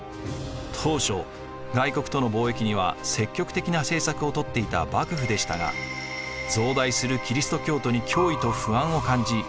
当初外国との貿易には積極的な政策をとっていた幕府でしたが増大するキリスト教徒に脅威と不安を感じ